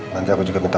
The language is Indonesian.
nanti aku juga minta